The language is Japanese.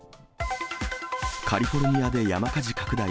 カリフォルニアで山火事拡大。